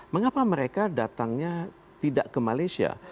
mengapa mereka datangnya tidak ke malaysia